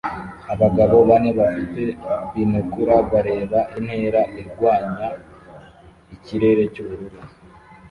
Abagabo bane bafite binokula bareba intera irwanya ikirere cyubururu